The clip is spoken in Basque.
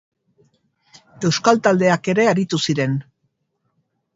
Euskal taldeak ere aritu ziren.